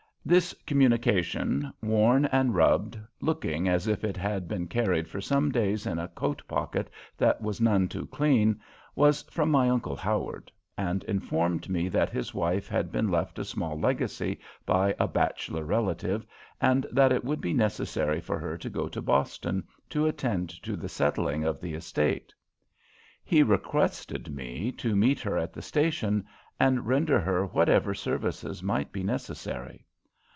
This communication, worn and rubbed, looking as if it had been carried for some days in a coat pocket that was none too clean, was from my uncle Howard, and informed me that his wife had been left a small legacy by a bachelor relative, and that it would be necessary for her to go to Boston to attend to the settling of the estate. He requested me to meet her at the station and render her whatever services might be necessary.